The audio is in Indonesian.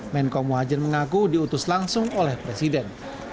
menko muhajir mengaku diutus langsung oleh presiden